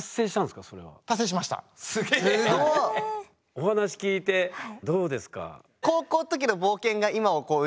お話聞いてどうですか？